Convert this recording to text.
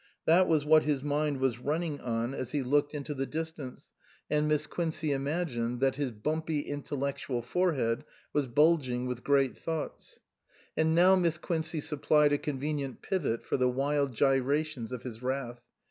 That was what his mind was running on as he looked into the 275 SUPERSEDED distance and Miss Quincey imagined that his bumpy intellectual forehead was bulging with great thoughts. And now Miss Quincey supplied a convenient pivot for the wild gyrations of his wrath.